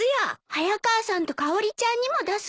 早川さんとかおりちゃんにも出すの？